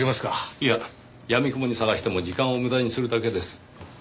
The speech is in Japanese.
いややみくもに捜しても時間を無駄にするだけです。